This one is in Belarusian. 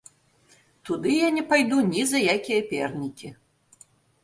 Туды я не пайду ні за якія пернікі.